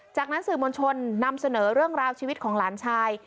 จากนั้นสื่อมวลชนนำเสนอเรื่องราวชีวิตของหลานชาย